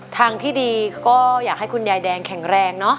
ทางที่ดีก็อยากให้คุณยายแดงแข็งแรงเนอะ